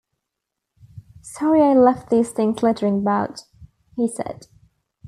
“Sorry I left these things littering about,” he said.